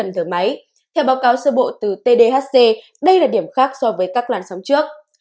theo báo cáo sơ bộ từ tdhc đây là điểm khác so với các loàn sóng trước